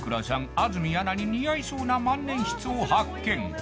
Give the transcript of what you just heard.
安住アナに似合いそうな万年筆を発見！